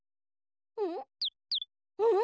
うん？